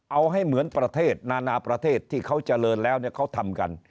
เอาให้เหมือนประเทศนานาประเทศที่เขาเจริญแล้วเขาทำกัน